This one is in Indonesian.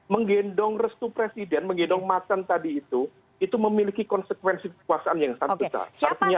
menggendong restu presiden menggendong masan tadi itu itu memiliki konsekuensi kekuasaan yang satu satunya